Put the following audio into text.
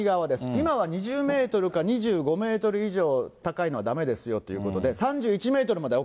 今は２０メートルか２５メートル以上高いのはだめですよということで、３１メートルまではＯＫ。